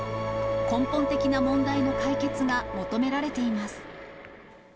根本的な問題の解決が求められています。